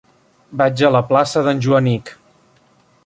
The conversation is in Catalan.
Vaig a la plaça d'en Joanic.